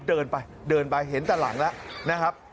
เดินไปเดินไปเห็นแต่หลังแล้วนะครับ